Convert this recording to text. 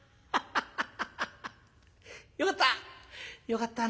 よかった！